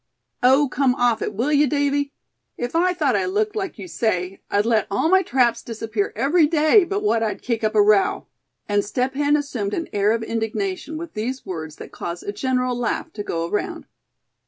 "Oh! come off, will you, Davy; if I thought I looked like you say, I'd let all my traps disappear every day but what I'd kick up a row," and Step Hen assumed an air of indignation with these words that caused a general laugh to go around.